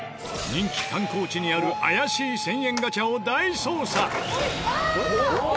人気観光地にある怪しい１０００円ガチャを大捜査！